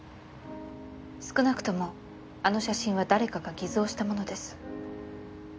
少なくともあの写真は誰かが偽造したものです。